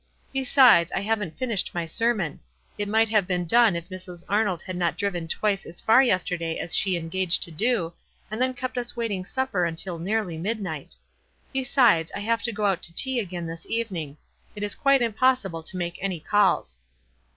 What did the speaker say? Besides, 1 haven't finished my sermon. It might have been done if Mrs. Arnold had not driven twice as far yesterday as she engaged to do, and then kept us waiting supper until nearly midnight. Besides, I have to go out to tea again this even ing — it is quite impossible to make any calls.